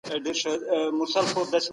کمپيوټر سلایډ شو جوړوي.